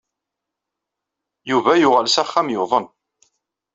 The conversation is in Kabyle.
Yuba yuɣal s axxam yuḍen.